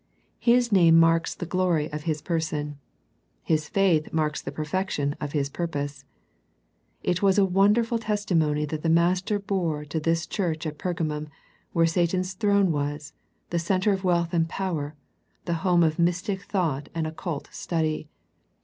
His name marks the glory of His Person. His faith marks the perfection of His purpose. It was a wonderful testimony that the Master bore to this church at Perga mum, where Satan's throne was, the centre of wealth and power, the home of mystic thought and occult study.